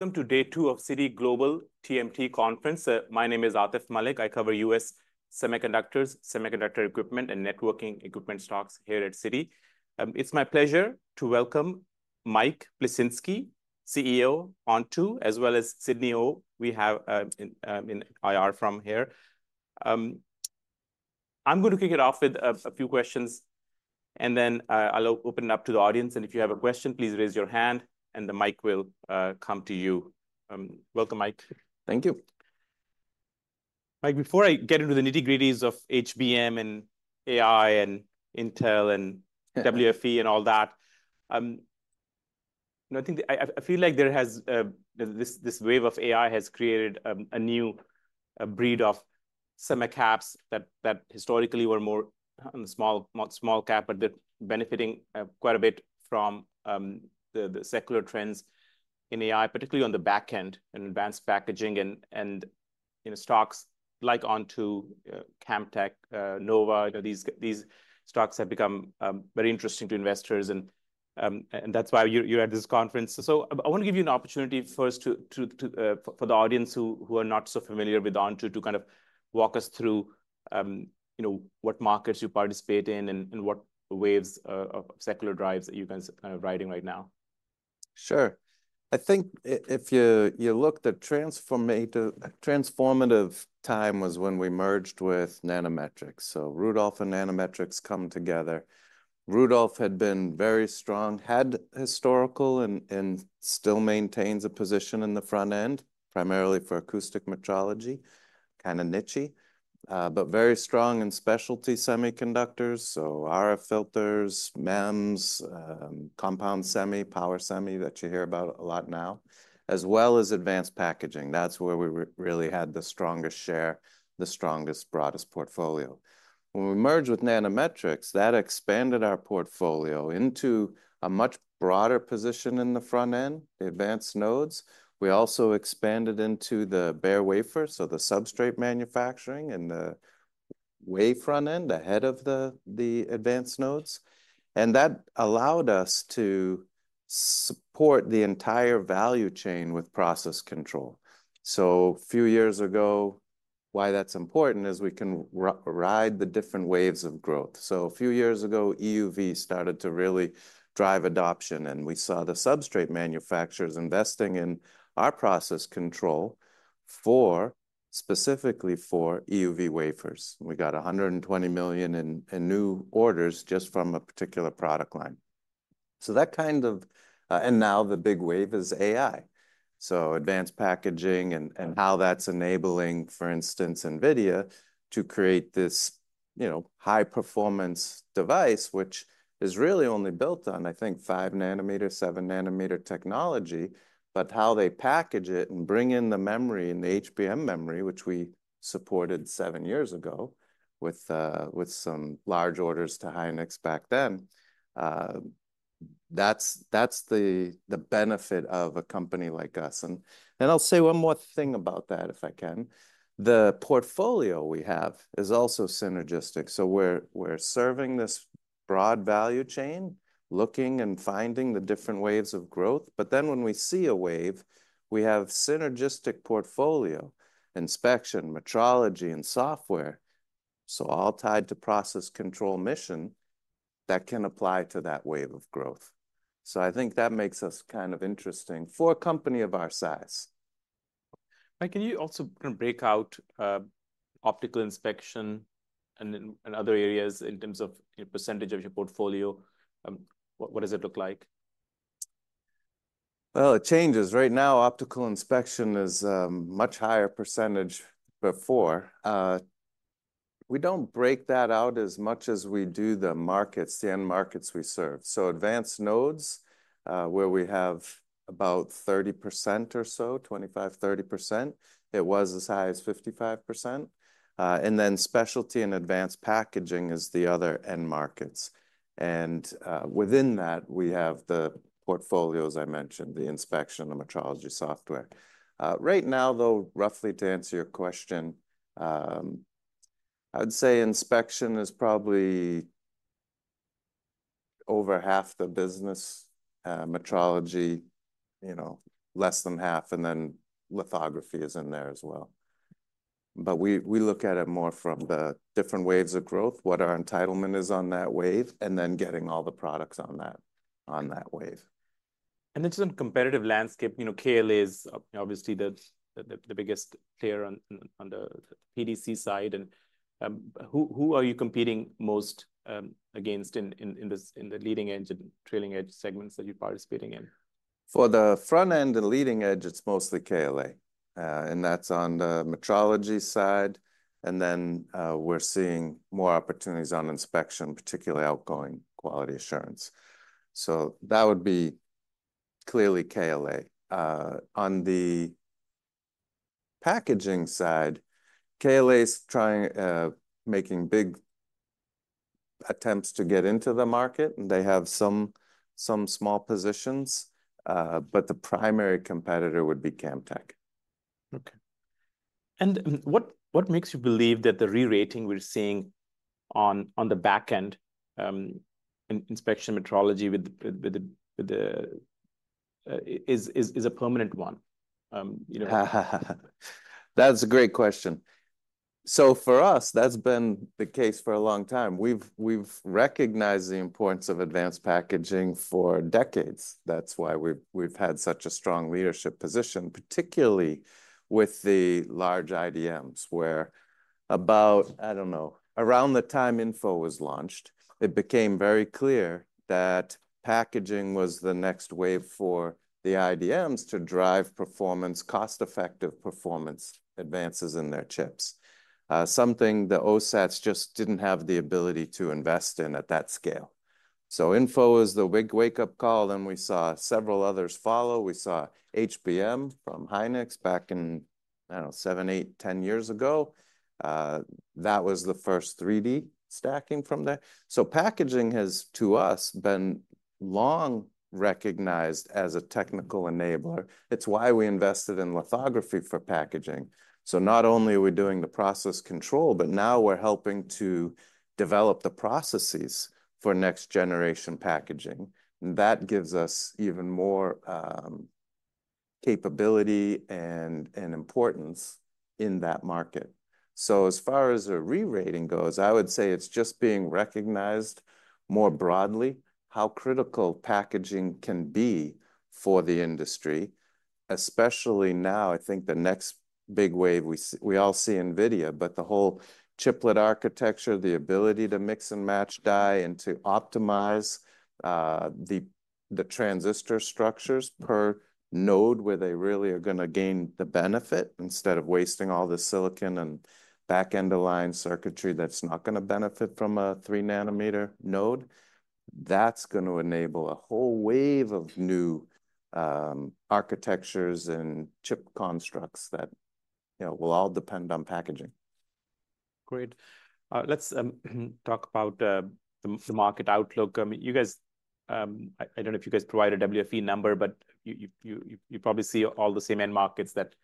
Welcome to day two of Citi Global TMT Conference. My name is Atif Malik. I cover U.S. semiconductors, semiconductor equipment, and networking equipment stocks here at Citi. It's my pleasure to welcome Mike Plisinski, CEO Onto, as well as Sidney Ho in IR from here. I'm going to kick it off with a few questions, and then I'll open it up to the audience, and if you have a question, please raise your hand, and the mic will come to you. Welcome, Mike. Thank you. Mike, before I get into the nitty-gritties of HBM and AI and Intel and- Yeah WFE and all that, you know, I think I feel like this wave of AI has created a new breed of semi caps that historically were more small cap, but they're benefiting quite a bit from the secular trends in AI, particularly on the back end in advanced packaging, and you know, stocks like Onto, Camtek, Nova, you know, these stocks have become very interesting to investors, and that's why you're at this conference. So I want to give you an opportunity first to for the audience who are not so familiar with Onto to kind of walk us through you know what markets you participate in and what waves of secular drives that you've been riding right now. Sure. I think if you look at transformative time was when we merged with Nanometrics. So Rudolph and Nanometrics come together. Rudolph had been very strong, had historical and still maintains a position in the front end, primarily for acoustic metrology. Kinda nichey, but very strong in specialty semiconductors, so RF filters, MEMS, compound semi, power semi, that you hear about a lot now, as well as advanced packaging. That's where we really had the strongest share, the strongest, broadest portfolio. When we merged with Nanometrics, that expanded our portfolio into a much broader position in the front end, the advanced nodes. We also expanded into the bare wafer, so the substrate manufacturing and the wafer front end, ahead of the advanced nodes, and that allowed us to support the entire value chain with process control. So a few years ago... Why that's important is we can ride the different waves of growth. So a few years ago, EUV started to really drive adoption, and we saw the substrate manufacturers investing in our process control for, specifically for EUV wafers. We got $120 million in new orders just from a particular product line. So that kind of. And now the big wave is AI, so advanced packaging and how that's enabling, for instance, NVIDIA, to create this, you know, high-performance device, which is really only built on, I think, five-nanometer, seven-nanometer technology. But how they package it and bring in the memory, in the HBM memory, which we supported seven years ago with some large orders to Hynix back then, that's the benefit of a company like us. And I'll say one more thing about that, if I can. The portfolio we have is also synergistic. So we're serving this broad value chain, looking and finding the different waves of growth, but then when we see a wave, we have synergistic portfolio, inspection, metrology, and software, so all tied to process control mission that can apply to that wave of growth. So I think that makes us kind of interesting for a company of our size. Can you also break out optical inspection and then other areas in terms of percentage of your portfolio? What does it look like? Well, it changes. Right now, optical inspection is a much higher percentage before. We don't break that out as much as we do the markets, the end markets we serve. So advanced nodes, where we have about 30% or so, 25% to 30%, it was as high as 55%. And then specialty and advanced packaging is the other end markets. And, within that, we have the portfolio, as I mentioned, the inspection, the metrology software. Right now, though, roughly to answer your question, I'd say inspection is probably over half the business, metrology, you know, less than half, and then lithography is in there as well. But we, we look at it more from the different waves of growth, what our entitlement is on that wave, and then getting all the products on that, on that wave. Then some competitive landscape, you know. KLA is obviously the biggest player on the PDC side. And who are you competing most against in the leading-edge and trailing-edge segments that you're participating in? For the front end, the leading edge, it's mostly KLA, and that's on the metrology side, and then, we're seeing more opportunities on inspection, particularly outgoing quality assurance. So that would be clearly KLA. On the packaging side, KLA is trying, making big attempts to get into the market, and they have some small positions, but the primary competitor would be Camtek. And what makes you believe that the re-rating we're seeing on the back end in inspection metrology with the is a permanent one? You know. That's a great question. So for us, that's been the case for a long time. We've recognized the importance of advanced packaging for decades. That's why we've had such a strong leadership position, particularly with the large IDMs, where about, I don't know, around the time InFO was launched, it became very clear that packaging was the next wave for the IDMs to drive performance, cost-effective performance advances in their chips. Something the OSATs just didn't have the ability to invest in at that scale. So InFO was the wake-up call, then we saw several others follow. We saw HBM from Hynix back in, I don't know, seven, eight, ten years ago. That was the first 3D stacking from there. So packaging has, to us, been long recognized as a technical enabler. It's why we invested in lithography for packaging. So not only are we doing the process control, but now we're helping to develop the processes for next-generation packaging, and that gives us even more capability and importance in that market. So as far as a re-rating goes, I would say it's just being recognized more broadly, how critical packaging can be for the industry, especially now. I think the next big wave we all see in NVIDIA, but the whole chiplet architecture, the ability to mix and match die and to optimize the transistor structures per node, where they really are gonna gain the benefit instead of wasting all the silicon and back-end alignment circuitry that's not gonna benefit from a three-nanometer node. That's going to enable a whole wave of new architectures and chip constructs that, you know, will all depend on packaging. Great. Let's talk about the market outlook. I mean, you guys... I don't know if you guys provide a WFE number, but you probably see all the same end markets that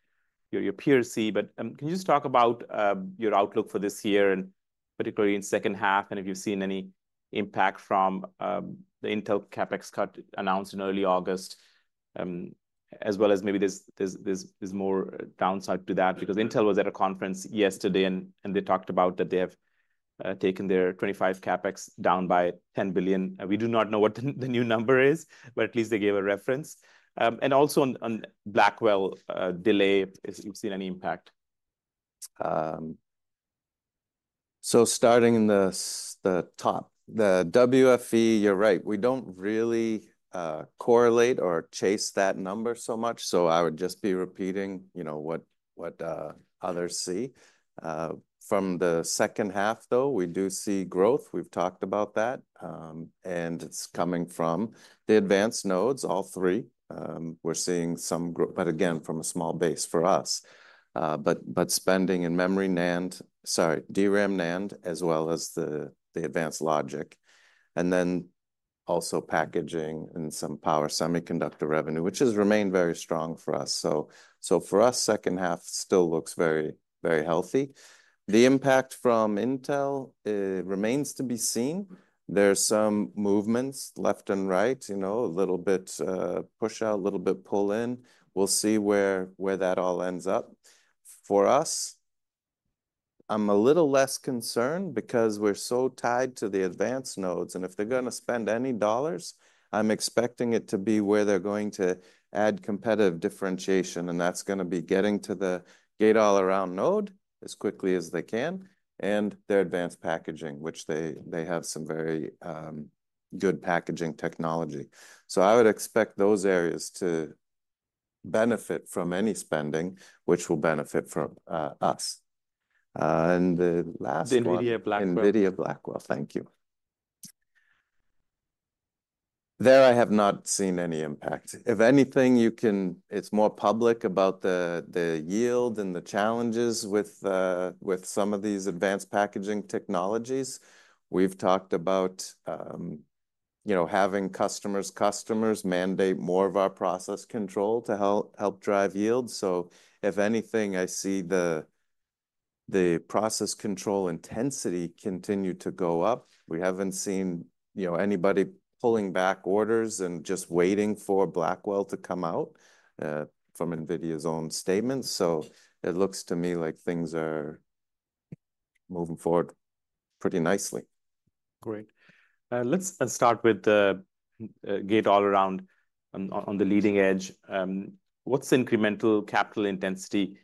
your peers see. But, can you just talk about your outlook for this year and particularly in second half, and if you've seen any impact from the Intel CapEx cut announced in early August, as well as maybe there's more downside to that? Because Intel was at a conference yesterday, and they talked about that they have taken their 2025 CapEx down by $10 billion. We do not know what the new number is, but at least they gave a reference. And also on Blackwell delay, if you've seen any impact. So starting in the top, the WFE, you're right. We don't really correlate or chase that number so much, so I would just be repeating, you know, what others see. From the second half, though, we do see growth. We've talked about that, and it's coming from the advanced nodes, all three. We're seeing some, but again, from a small base for us. But spending in memory NAND, sorry, DRAM NAND, as well as the advanced logic, and then also packaging and some power semiconductor revenue, which has remained very strong for us. So for us, second half still looks very, very healthy. The impact from Intel remains to be seen. There's some movements left and right, you know, a little bit push out, a little bit pull in. We'll see where that all ends up. For us, I'm a little less concerned because we're so tied to the advanced nodes, and if they're gonna spend any dollars, I'm expecting it to be where they're going to add competitive differentiation, and that's gonna be getting to the Gate-All-Around node as quickly as they can, and their advanced packaging, which they have some very good packaging technology. So I would expect those areas to benefit from any spending, which will benefit from us. And the last one- The NVIDIA Blackwell. NVIDIA Blackwell, thank you. There I have not seen any impact. If anything, it's more public about the yield and the challenges with some of these advanced packaging technologies. We've talked about, you know, having customers mandate more of our process control to help drive yield. So if anything, I see the process control intensity continue to go up. We haven't seen, you know, anybody pulling back orders and just waiting for Blackwell to come out from NVIDIA's own statements, so it looks to me like things are moving forward pretty nicely. Great. Let's start with the Gate-All-Around on the leading edge. What's the incremental capital intensity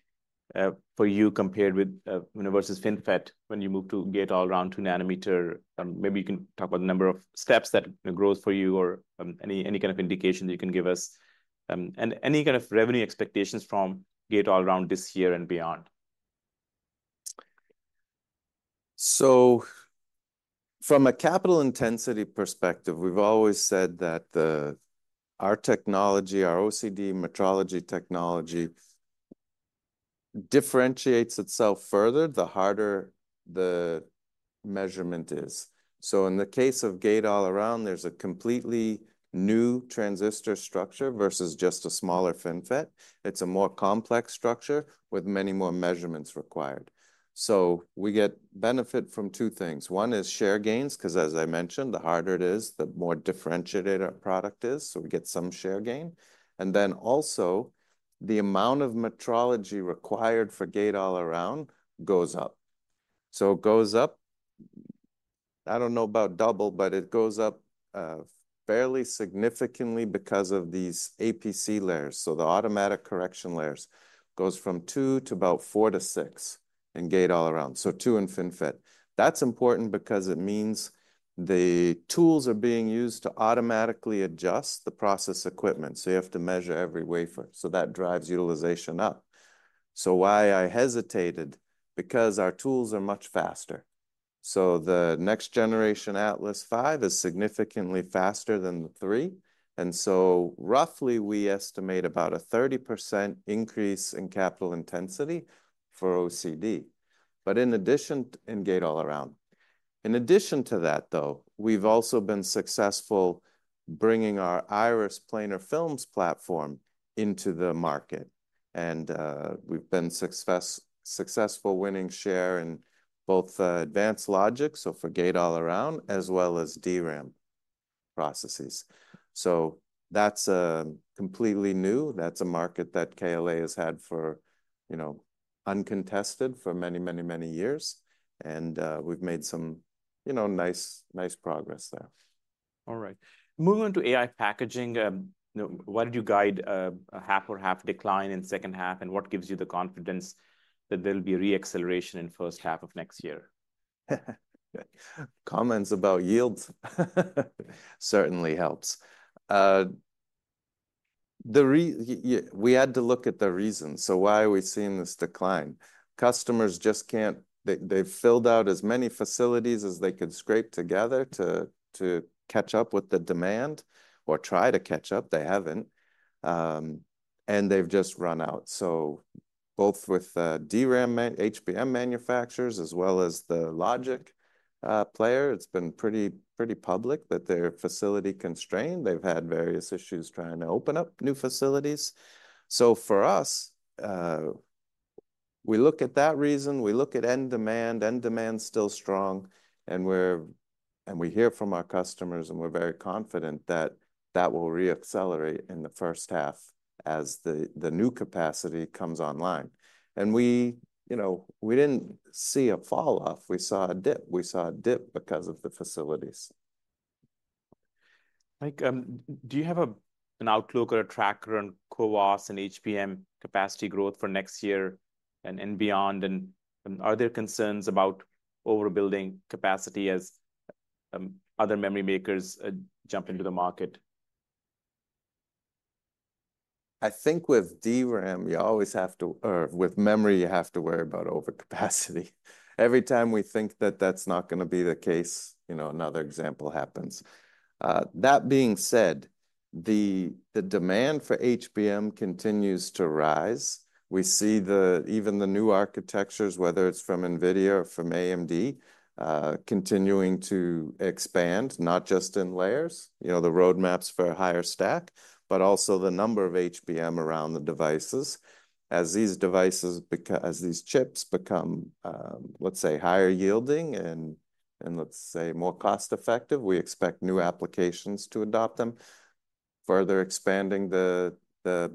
for you compared with, you know, versus FinFET when you move to Gate-All-Around two nanometer? Maybe you can talk about the number of steps that grows for you or any kind of indication you can give us, and any kind of revenue expectations from Gate-All-Around this year and beyond. So from a capital intensity perspective, we've always said that our technology, our OCD metrology technology, differentiates itself further, the harder the measurement is. In the case of gate-all-around, there's a completely new transistor structure versus just a smaller FinFET. It's a more complex structure with many more measurements required. We get benefit from two things. One is share gains, 'cause as I mentioned, the harder it is, the more differentiated our product is, so we get some share gain. And then also, the amount of metrology required for gate-all-around goes up. It goes up, I don't know about double, but it goes up fairly significantly because of these APC layers. The automatic correction layers goes from two to about four to six in gate-all-around, so two in FinFET. That's important because it means the tools are being used to automatically adjust the process equipment, so you have to measure every wafer. So that drives utilization up. So why I hesitated, because our tools are much faster. So the next generation Atlas V is significantly faster than the Atlas III, and so roughly we estimate about a 30% increase in capital intensity for OCD. In addition to that, though, we've also been successful bringing our Iris planar films platform into the market, and we've been successful winning share in both advanced logic, so for gate-all-around, as well as DRAM processes. So that's completely new. That's a market that KLA has had for, you know, uncontested for many years. And we've made some, you know, nice progress there. All right. Moving to AI packaging, now, why did you guide a half or half decline in second half, and what gives you the confidence that there'll be re-acceleration in first half of next year? Comments about yields certainly helps. We had to look at the reasons. So why are we seeing this decline? Customers just can't. They, they've filled out as many facilities as they could scrape together to catch up with the demand, or try to catch up. They haven't, and they've just run out. So both with DRAM manufacturers, HBM manufacturers, as well as the logic player, it's been pretty public that they're facility constrained. They've had various issues trying to open up new facilities. So for us, we look at that reason, we look at end demand. End demand's still strong, and we hear from our customers, and we're very confident that that will re-accelerate in the first half as the new capacity comes online. We, you know, we didn't see a fall off, we saw a dip. We saw a dip because of the facilities. Mike, do you have an outlook or a tracker on CoWoS and HBM capacity growth for next year and beyond? And are there concerns about overbuilding capacity as other memory makers jump into the market? I think with DRAM, you always have to or with memory, you have to worry about overcapacity. Every time we think that that's not gonna be the case, you know, another example happens. That being said, the demand for HBM continues to rise. We see the even the new architectures, whether it's from NVIDIA or from AMD, continuing to expand, not just in layers, you know, the roadmaps for a higher stack, but also the number of HBM around the devices. As these chips become, let's say, higher yielding and let's say, more cost-effective, we expect new applications to adopt them, further expanding the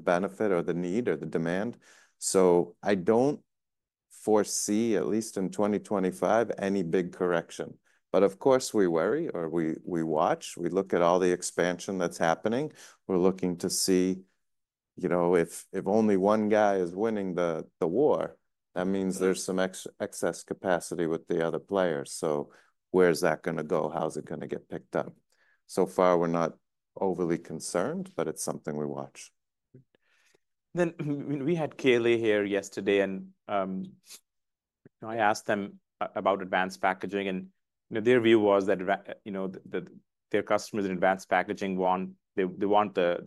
benefit or the need or the demand. So I don't foresee, at least in 2025, any big correction. But of course, we worry or we watch. We look at all the expansion that's happening. We're looking to see, you know, if only one guy is winning the war, that means there's some excess capacity with the other players. So where's that gonna go? How's it gonna get picked up? So far, we're not overly concerned, but it's something we watch. Then, we had KLA here yesterday, and I asked them about advanced packaging, and you know, their view was that you know, that their customers in advanced packaging want, they want the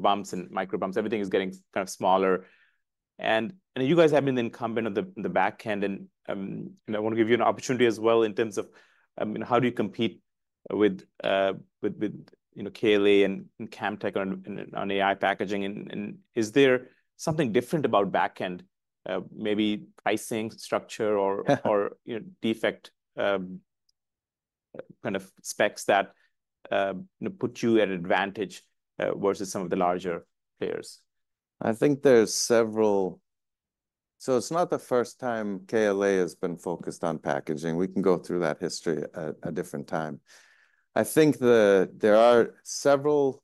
bumps and micro bumps, everything is getting kind of smaller. And you guys have been the incumbent of the back end, and I want to give you an opportunity as well in terms of, I mean, how do you compete with with you know, KLA and Camtek on on AI packaging, and is there something different about back end, maybe pricing structure or or you know, defect kind of specs that put you at advantage versus some of the larger players? I think there's several. So it's not the first time KLA has been focused on packaging. We can go through that history at a different time. I think there are several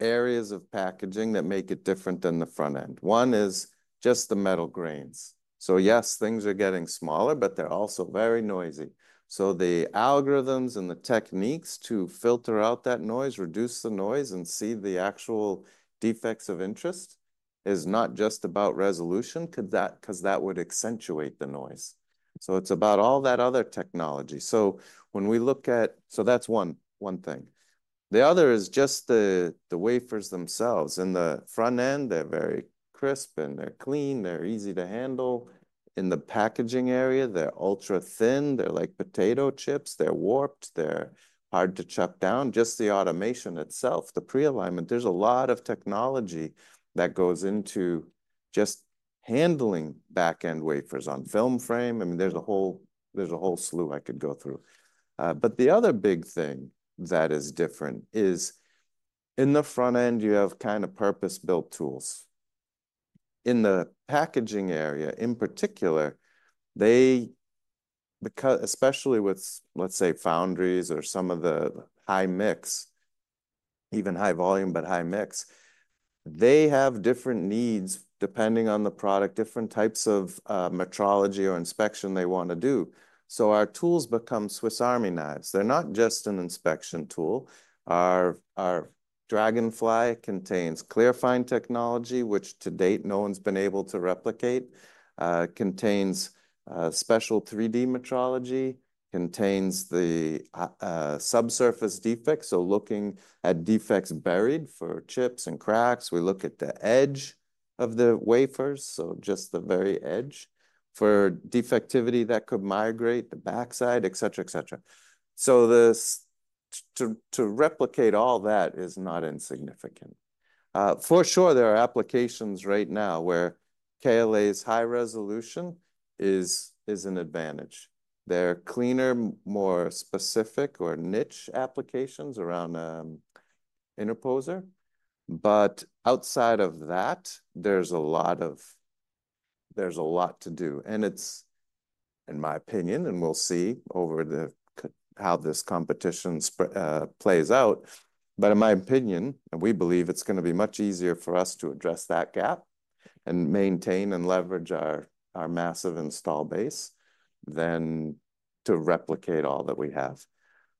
areas of packaging that make it different than the front end. One is just the metal grains. So yes, things are getting smaller, but they're also very noisy. So the algorithms and the techniques to filter out that noise, reduce the noise, and see the actual defects of interest, is not just about resolution, 'cause that, 'cause that would accentuate the noise... So it's about all that other technology. So that's one thing. The other is just the wafers themselves. In the front end, they're very crisp, and they're clean, they're easy to handle. In the packaging area, they're ultra-thin, they're like potato chips, they're warped, they're hard to chuck down. Just the automation itself, the pre-alignment, there's a lot of technology that goes into just handling back-end wafers on film frame. I mean, there's a whole, there's a whole slew I could go through. But the other big thing that is different is, in the front end, you have kind of purpose-built tools. In the packaging area, in particular, they especially with, let's say, foundries or some of the high mix, even high volume, but high mix, they have different needs depending on the product, different types of metrology or inspection they want to do. So our tools become Swiss Army knives. They're not just an inspection tool. Our Dragonfly contains ClearFind technology, which to date, no one's been able to replicate, contains special 3D metrology, contains the subsurface defect, so looking at defects buried for chips and cracks. We look at the edge of the wafers, so just the very edge, for defectivity that could migrate the backside, et cetera, et cetera. To replicate all that is not insignificant. For sure, there are applications right now where KLA's high resolution is an advantage. They're cleaner, more specific or niche applications around interposer, but outside of that, there's a lot to do, and it's, in my opinion, and we'll see over the c- how this competition plays out, but in my opinion, and we believe it's gonna be much easier for us to address that gap and maintain and leverage our massive install base than to replicate all that we have.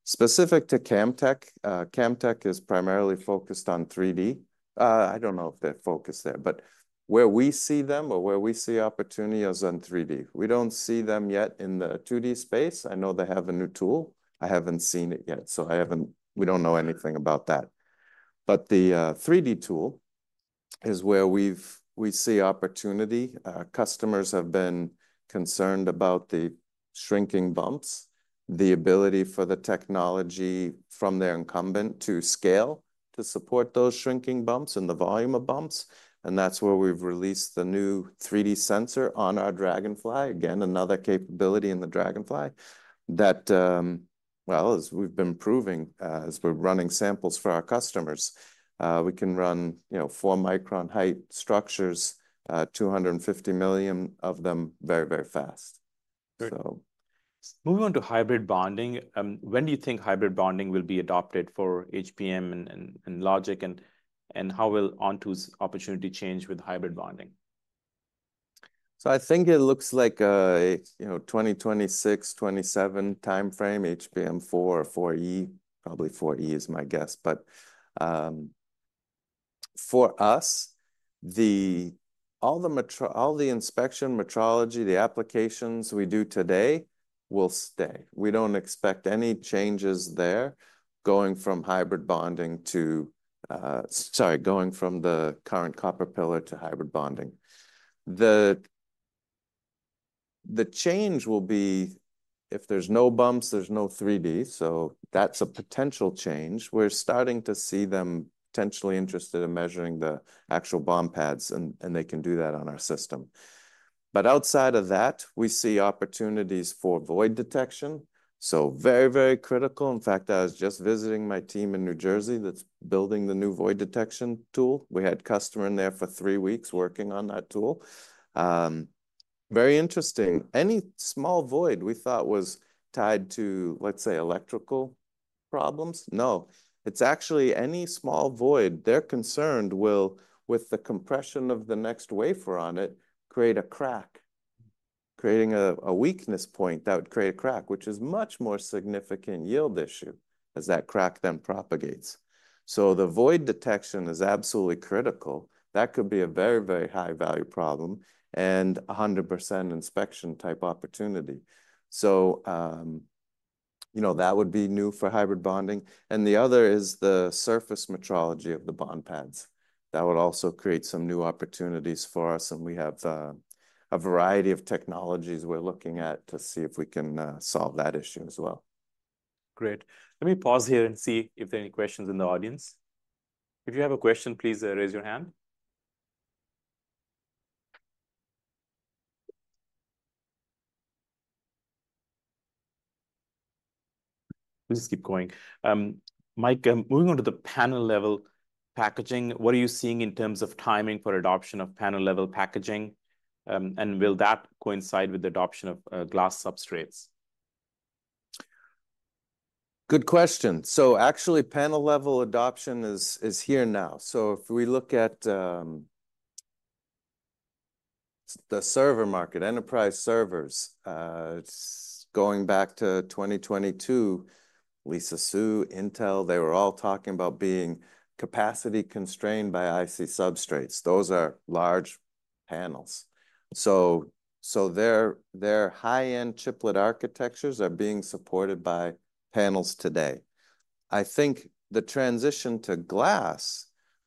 Specific to Camtek, Camtek is primarily focused on 3D. I don't know if they're focused there, but where we see them or where we see opportunity is in 3D. We don't see them yet in the 2D space. I know they have a new tool. I haven't seen it yet, so we don't know anything about that. But the 3D tool is where we see opportunity. Customers have been concerned about the shrinking bumps, the ability for the technology from their incumbent to scale to support those shrinking bumps and the volume of bumps, and that's where we've released the new 3D sensor on our Dragonfly. Again, another capability in the Dragonfly that, well, as we've been proving, as we're running samples for our customers, we can run, you know, four-micron height structures, 250 million of them, very, very fast. So- Moving on to hybrid bonding, when do you think hybrid bonding will be adopted for HBM and logic, and how will Onto's opportunity change with hybrid bonding? So I think it looks like a, you know, 2026, 2027 timeframe, HBM4 or HBM4E, probably HBM4E is my guess. But, for us, all the inspection metrology, the applications we do today, will stay. We don't expect any changes there, going from the current copper pillar to hybrid bonding. The change will be if there's no bumps, there's no 3D, so that's a potential change. We're starting to see them potentially interested in measuring the actual bond pads, and they can do that on our system. But outside of that, we see opportunities for void detection, so very, very critical. In fact, I was just visiting my team in New Jersey that's building the new void detection tool. We had customer in there for three weeks working on that tool. Very interesting. Any small void we thought was tied to, let's say, electrical problems, no, it's actually any small void, they're concerned will, with the compression of the next wafer on it, create a crack, creating a weakness point that would create a crack, which is much more significant yield issue as that crack then propagates. So the void detection is absolutely critical. That could be a very, very high-value problem and a 100% inspection-type opportunity. So, you know, that would be new for hybrid bonding, and the other is the surface metrology of the bond pads. That would also create some new opportunities for us, and we have a variety of technologies we're looking at to see if we can solve that issue as well. Great. Let me pause here and see if there are any questions in the audience. If you have a question, please, raise your hand. We'll just keep going. Mike, moving on to the panel-level packaging, what are you seeing in terms of timing for adoption of panel-level packaging, and will that coincide with the adoption of, glass substrates? Good question. Actually, panel-level adoption is here now. If we look at the server market, enterprise servers, it's going back to 2022, Lisa Su, Intel, they were all talking about being capacity-constrained by IC substrates. Those are large panels. Their high-end chiplet architectures are being supported by panels today. I think the transition to glass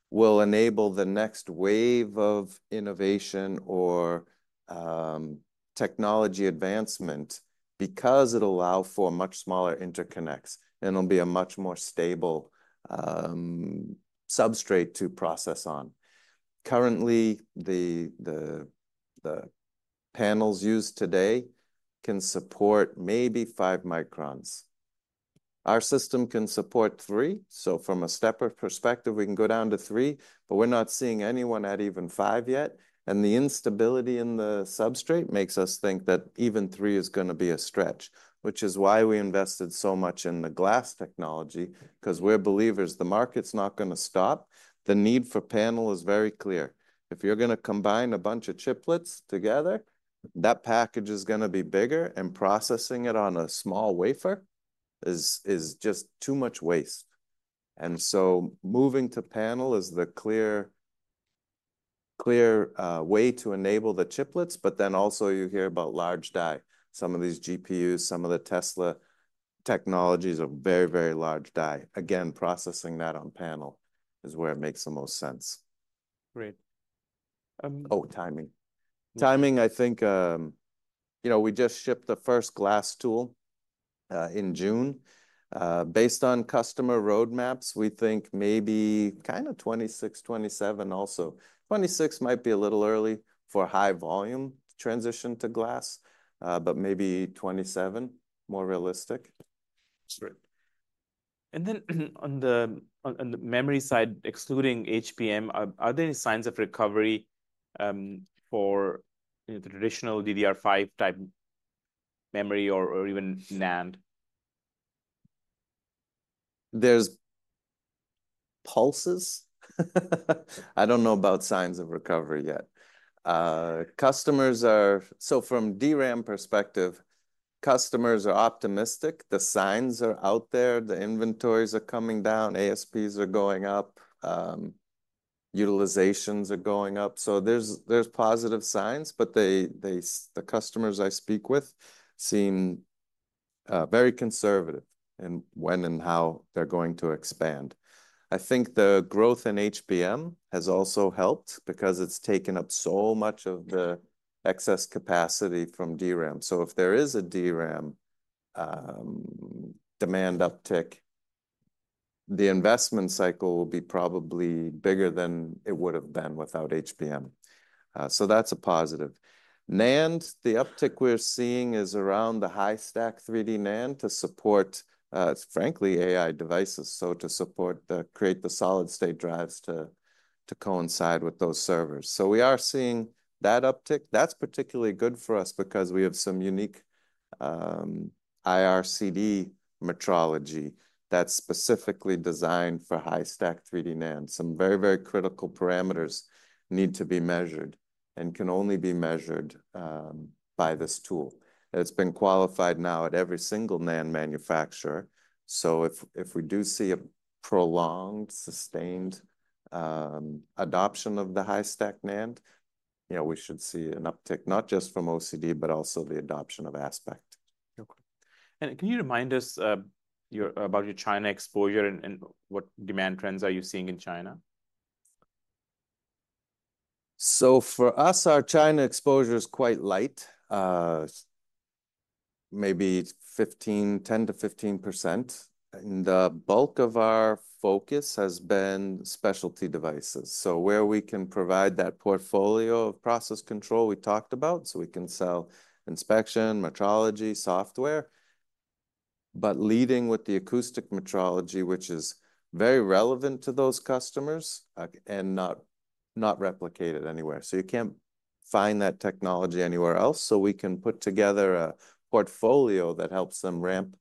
will enable the next wave of innovation or technology advancement because it'll allow for much smaller interconnects, and it'll be a much more stable substrate to process on. Currently, the panels used today can support maybe five microns. Our system can support three, so from a stepper perspective, we can go down to three, but we're not seeing anyone at even five yet, and the instability in the substrate makes us think that even three is gonna be a stretch, which is why we invested so much in the glass technology. 'Cause we're believers the market's not gonna stop. The need for panel is very clear. If you're gonna combine a bunch of chiplets together, that package is gonna be bigger, and processing it on a small wafer is just too much waste. And so moving to panel is the clear way to enable the chiplets. But then also you hear about large die. Some of these GPUs, some of the Tesla technologies are very, very large die. Again, processing that on panel is where it makes the most sense. Great. Um- Oh, timing. Timing, I think, you know, we just shipped the first glass tool in June. Based on customer roadmaps, we think maybe kinda 2026, 2027 also. 2026 might be a little early for high volume transition to glass, but maybe 2027, more realistic. Sure. And then on the memory side, excluding HBM, are there any signs of recovery for, you know, the traditional DDR5 type memory or even NAND? There's pulses. I don't know about signs of recovery yet. So from DRAM perspective, customers are optimistic. The signs are out there. The inventories are coming down. ASPs are going up. Utilizations are going up. So there's positive signs, but the customers I speak with seem very conservative in when and how they're going to expand. I think the growth in HBM has also helped because it's taken up so much of the excess capacity from DRAM. So if there is a DRAM demand uptick, the investment cycle will be probably bigger than it would have been without HBM. So that's a positive. NAND, the uptick we're seeing is around the high stack 3D NAND to support, frankly, AI devices, so to support the create the solid-state drives to coincide with those servers. So we are seeing that uptick. That's particularly good for us because we have some unique IRCD metrology that's specifically designed for high-stack 3D NAND. Some very, very critical parameters need to be measured and can only be measured by this tool. It's been qualified now at every single NAND manufacturer, so if we do see a prolonged, sustained adoption of the high-stack 3D NAND, you know, we should see an uptick, not just from OCD, but also the adoption of Aspect. Okay. And can you remind us about your China exposure and what demand trends are you seeing in China? For us, our China exposure is quite light, maybe 15%, 10% to 15%, and the bulk of our focus has been specialty devices. Where we can provide that portfolio of process control we talked about, we can sell inspection, metrology, software, but leading with the acoustic metrology, which is very relevant to those customers, and not replicated anywhere. You can't find that technology anywhere else, so we can put together a portfolio that helps them ramp,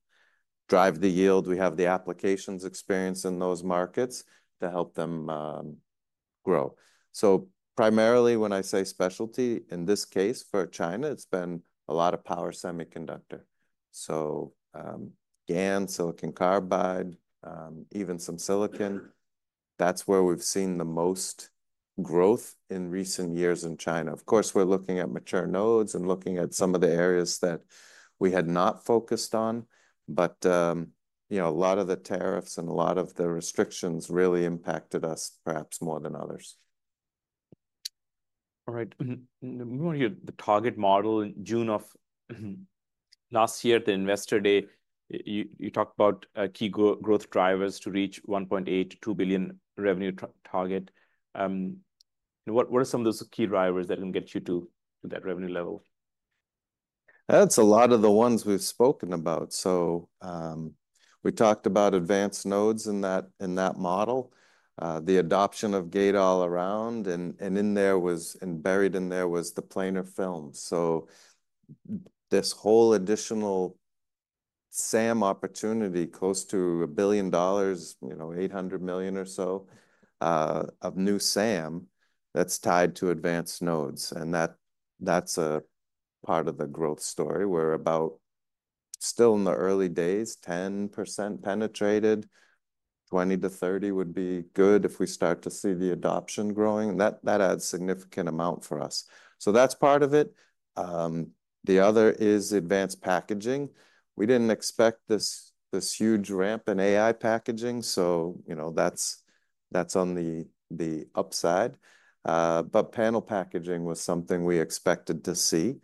drive the yield. We have the applications experience in those markets to help them grow. Primarily, when I say specialty, in this case, for China, it's been a lot of power semiconductor. GaN, silicon carbide, even some silicon, that's where we've seen the most growth in recent years in China. Of course, we're looking at mature nodes and looking at some of the areas that we had not focused on, but, you know, a lot of the tariffs and a lot of the restrictions really impacted us perhaps more than others. All right. Moving on to the target model in June of last year, at the Investor Day, you talked about key growth drivers to reach $1.8 billion- $2 billion revenue target. And what are some of those key drivers that can get you to that revenue level? That's a lot of the ones we've spoken about. So, we talked about advanced nodes in that model, the adoption of gate-all-around, and in there was and buried in there was the planar film. So this whole additional SAM opportunity, close to $1 billion, you know, $800 million or so, of new SAM that's tied to advanced nodes, and that, that's a part of the growth story. We're about still in the early days, 10% penetrated. 20% to 30% would be good if we start to see the adoption growing, and that, that adds significant amount for us. So that's part of it. The other is advanced packaging. We didn't expect this, this huge ramp in AI packaging, so, you know, that's, that's on the upside. But panel packaging was something we expected to see,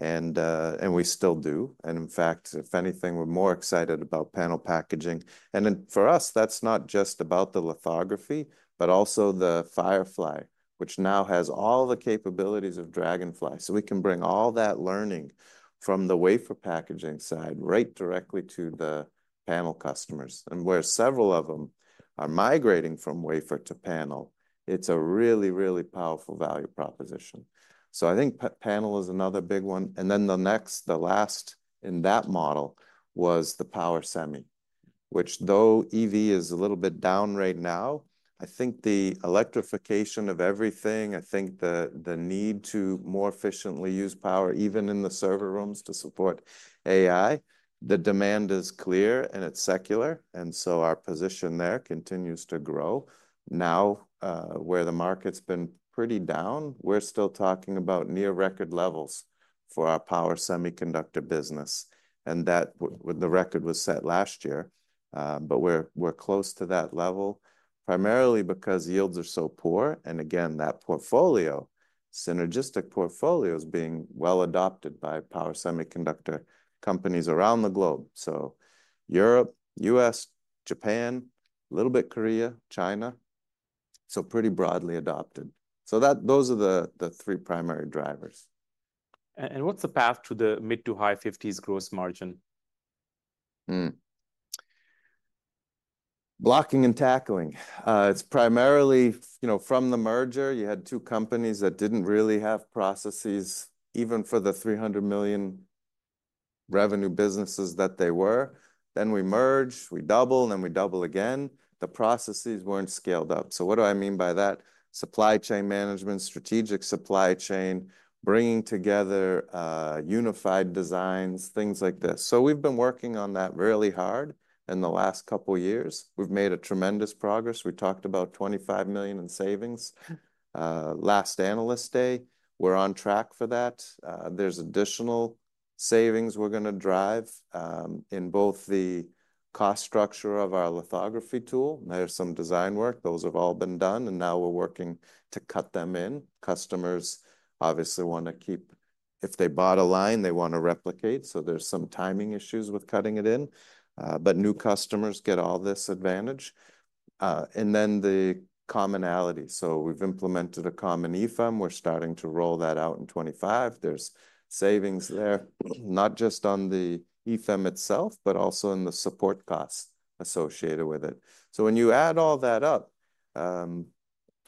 and we still do. And in fact, if anything, we're more excited about panel packaging. And then for us, that's not just about the lithography, but also the Firefly, which now has all the capabilities of Dragonfly. So we can bring all that learning from the wafer packaging side right directly to the panel customers. And where several of them are migrating from wafer to panel, it's a really, really powerful value proposition. So I think panel is another big one. And then the next, the last in that model was the power semi, which though EV is a little bit down right now, I think the electrification of everything, I think the, the need to more efficiently use power, even in the server rooms to support AI, the demand is clear, and it's secular, and so our position there continues to grow. Now, where the market's been pretty down, we're still talking about near record levels for our power semiconductor business, and that the record was set last year. But we're close to that level, primarily because yields are so poor, and again, that portfolio, synergistic portfolio, is being well adopted by power semiconductor companies around the globe. So Europe, U.S., Japan, a little bit Korea, China, so pretty broadly adopted. So those are the three primary drivers. What's the path to the mid- to high-fifties gross margin? Blocking and tackling. It's primarily, you know, from the merger, you had two companies that didn't really have processes, even for the $300 million revenue businesses that they were. Then we merge, we double, and then we double again. The processes weren't scaled up. So what do I mean by that? Supply chain management, strategic supply chain, bringing together, unified designs, things like this. So we've been working on that really hard in the last couple of years. We've made a tremendous progress. We talked about $25 million in savings- Hmm... last Analyst Day. We're on track for that. There's additional savings we're going to drive, in both the cost structure of our lithography tool, there's some design work. Those have all been done, and now we're working to cut them in. Customers obviously want to keep. If they bought a line, they want to replicate, so there's some timing issues with cutting it in, but new customers get all this advantage. And then the commonality. So we've implemented a common EFEM. We're starting to roll that out in 2025. There's savings there, not just on the EFEM itself, but also in the support costs associated with it. So when you add all that up,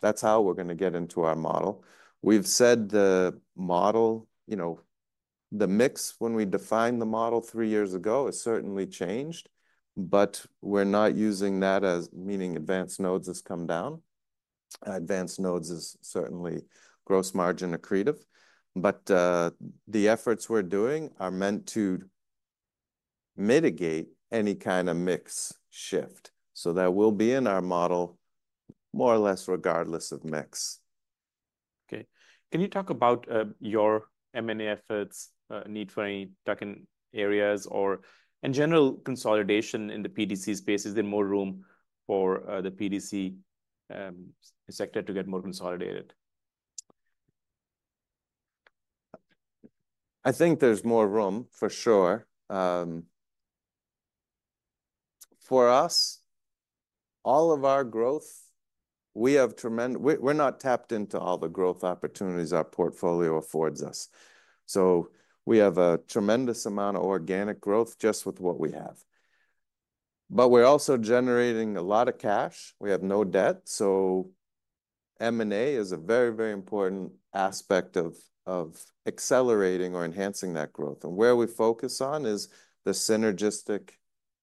that's how we're going to get into our model. We've said the model, you know, the mix when we defined the model three years ago has certainly changed, but we're not using that as meaning advanced nodes has come down. Advanced nodes is certainly gross margin accretive, but the efforts we're doing are meant to mitigate any kind of mix shift. So that will be in our model, more or less, regardless of mix. Okay. Can you talk about your M&A efforts, need for any tuck-in areas or in general, consolidation in the PDC space, is there more room for the PDC sector to get more consolidated? I think there's more room, for sure. For us, all of our growth, we have tremendous. We're not tapped into all the growth opportunities our portfolio affords us. So we have a tremendous amount of organic growth just with what we have. But we're also generating a lot of cash. We have no debt, so M&A is a very, very important aspect of accelerating or enhancing that growth, and where we focus on is the synergistic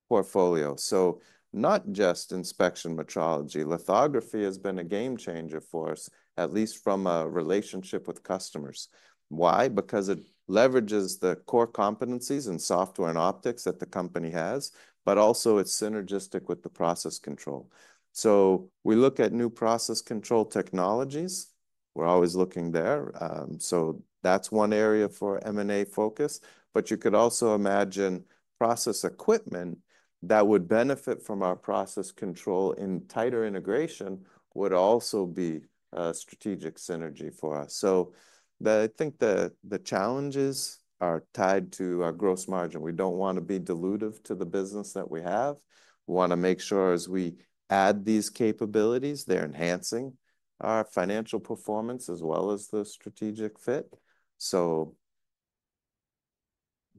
portfolio. So not just inspection metrology. Lithography has been a game changer for us, at least from a relationship with customers. Why? Because it leverages the core competencies in software and optics that the company has, but also it's synergistic with the process control. So we look at new process control technologies. We're always looking there. So that's one area for M&A focus. But you could also imagine process equipment that would benefit from our process control, and tighter integration would also be a strategic synergy for us. So I think the challenges are tied to our gross margin. We don't want to be dilutive to the business that we have. We want to make sure as we add these capabilities, they're enhancing our financial performance as well as the strategic fit. So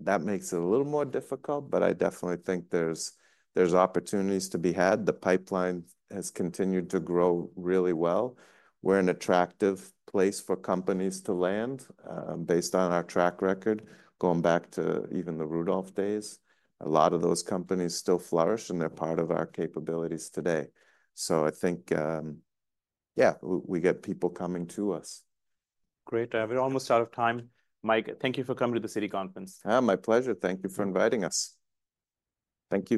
that makes it a little more difficult, but I definitely think there's opportunities to be had. The pipeline has continued to grow really well. We're an attractive place for companies to land based on our track record, going back to even the Rudolph days. A lot of those companies still flourish, and they're part of our capabilities today. So I think we get people coming to us. Great. We're almost out of time. Mike, thank you for coming to the Citi conference. My pleasure. Thank you for inviting us. Thank you.